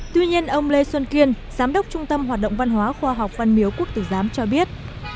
tuy nhiên ông lê xuân kiên giám đốc trung tâm hoạt động văn hóa khoa học văn miếu quốc tử giám cho biết